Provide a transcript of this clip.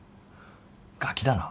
ガキだな。